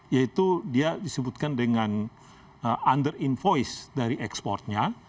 yaitu dia disebutkan dengan under invoice dari ekspornya